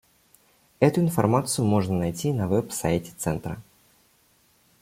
Эту информацию можно найти на веб-сайте Центра.